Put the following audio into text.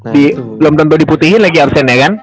belum tentu diputihi lagi absennya kan